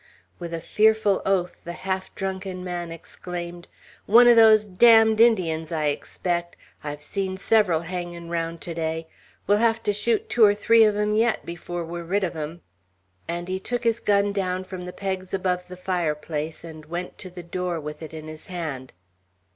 With a fearful oath, the half drunken man exclaimed, "One of those damned Indians, I expect. I've seen several hangin' round to day. We'll have to shoot two or three of 'em yet, before we're rid of 'em!" and he took his gun down from the pegs above the fireplace, and went to the door with it in his hand.